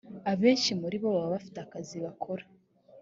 abenshi muri bo baba bafite akazi bakora